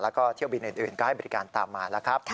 แล้วก็เที่ยวบินอื่นก็ให้บริการตามมาแล้วครับ